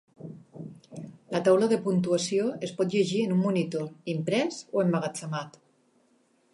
La taula de puntuació es pot llegir en un monitor, imprès o emmagatzemat.